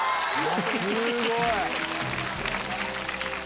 すごい！